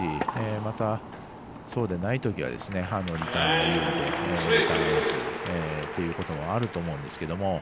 また、そうでないときはリターンするということもあると思うんですけど。